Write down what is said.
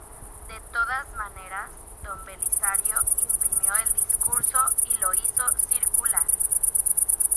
De todas maneras, don Belisario imprimió el discurso y lo hizo circular.